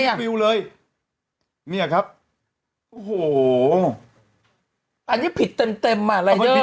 รูปวิวเลยเนี่ยครับโอ้โหอันนี้ผิดเต็มเต็มอ่ะไลเดอร์มันผิด